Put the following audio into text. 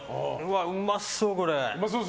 うまそう、これ。